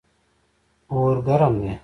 اور ګرم دی.